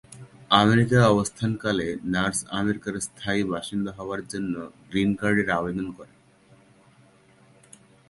আমেরিকায় অবস্থানকালে নার্স আমেরিকার স্থায়ী বাসিন্দা হবার জন্য গ্রিন কার্ডের আবেদন করেন।